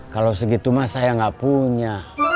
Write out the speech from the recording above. kalau segitu mas saya nggak punya